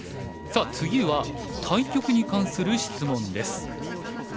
さあ次は対局に関する質問です。